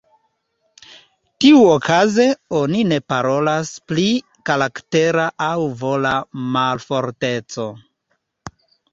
Tiuokaze, oni ne parolas pri karaktera aŭ vola malforteco.